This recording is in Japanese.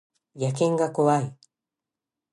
野犬が怖い